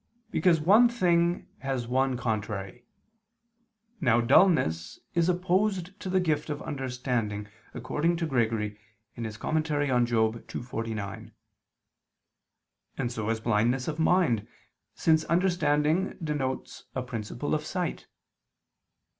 Because one thing has one contrary. Now dulness is opposed to the gift of understanding, according to Gregory (Moral. ii, 49); and so is blindness of mind, since understanding denotes a principle of sight.